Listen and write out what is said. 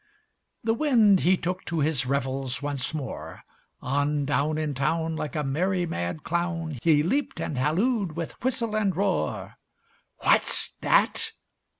The Wind, he took to his revels once more; On down In town, Like a merry mad clown, He leaped and hallooed with whistle and roar, "What's that?"